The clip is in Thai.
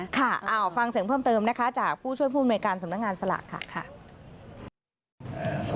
ค่ะฟังเสียงเพิ่มเติมนะคะจากผู้ช่วยผู้อำนวยการสำนักงานสลากค่ะ